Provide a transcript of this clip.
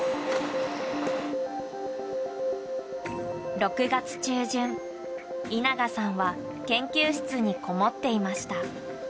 ６月中旬稲賀さんは研究室にこもっていました。